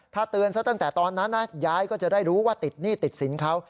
ถ้าเตือนซะตั้งแต่ตอนนั้นนะยายก็จะได้รู้ว่าติดหนี้ติดสินเขา